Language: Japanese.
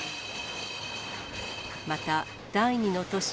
また、第２の都市